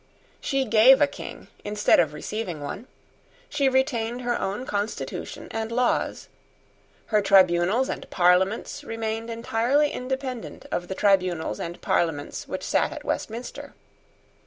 She gave a King instead of receiving one. She retained her own constitution and laws. Her tribunals and parliaments remained entirely independent of the tribunals and parliaments which sate at Westminster.